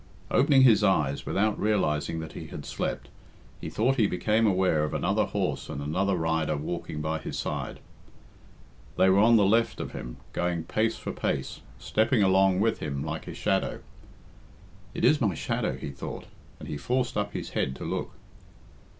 Opening his eyes, without realising that he had slept, he thought he became aware of another horse and another rider walking by his side. They were on the left of him, going pace for pace, stepping along with him like his shadow. "It is my shadow," he thought, and he forced up his head to look.